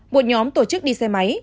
một nhóm tổ chức đi xe máy